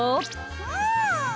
うん！